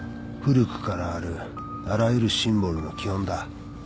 古くからあるあらゆるシンボルの基本だ